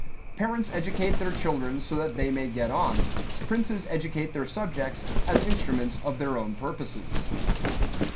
Parents educate their children so that they may get on; princes educate their subjects as instruments of their own purposes.